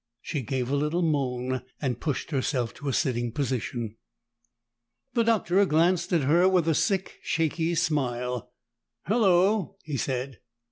She gave a little moan and pushed herself to a sitting position. The Doctor glanced at her with a sick, shaky smile. "Hello," he said.